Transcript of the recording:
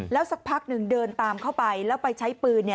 สักพักหนึ่งเดินตามเข้าไปแล้วไปใช้ปืน